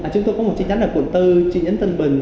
chúng tôi có một chi nhánh ở quận bốn chi nhánh tân bình